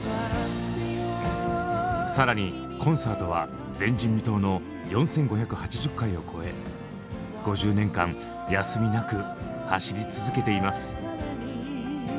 更にコンサートは前人未到の４，５８０回を超え５０年間休みなく走り続けています。